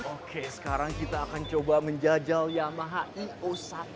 oke sekarang kita akan menjajal yamaha eo satu